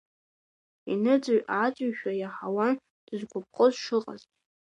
Иныҵыҩ-ааҵыҩшәа иаҳауан дызгәаԥхоз шыҟаз.